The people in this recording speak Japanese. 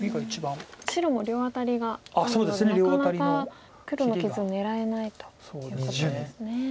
白も両アタリがあるのでなかなか黒の傷を狙えないということですね。